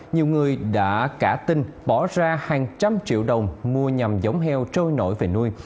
nhiều người đã cả tinh bỏ ra hàng trăm triệu đồng mua nhằm giống heo trôi nổi về nuôi